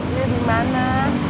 lihat di mana